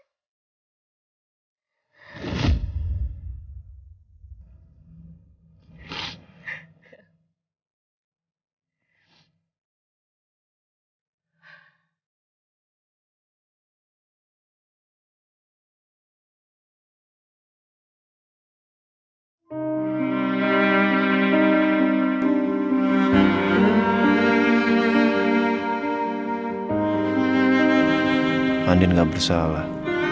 mei and enggak bersalah